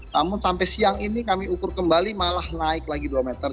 namun sampai siang ini kami ukur kembali malah naik lagi dua meter